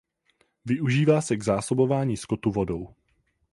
Využívá se k zásobování skotu vodou.